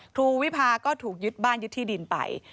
ครูวิพาก็ถูกยึดบ้านยึดที่ดินไป